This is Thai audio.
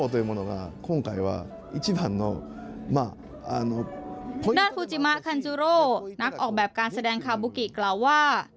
ด้านฟูจิมะคันจูโรนักออกแบบการแสดงคาบุกิกล่าวว่า